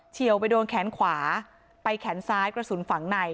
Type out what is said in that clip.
ี่ยวไปโดนแขนขวาไปแขนซ้ายกระสุนฝังใน